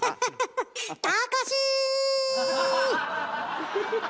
たかし。